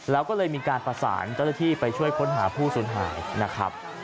แล้วก็เลยมีการประสานเจ้าหน้าที่ไปช่วยค้นหาผู้สูญหายนะครับ